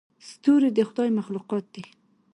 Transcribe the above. ستوري د خدای مخلوقات دي.